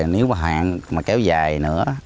nếu mà hạn mà kéo dài nữa